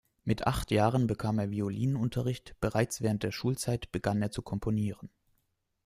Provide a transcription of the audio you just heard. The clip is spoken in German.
Mit acht Jahren bekam er Violinunterricht, bereits während der Schulzeit begann er zu komponieren.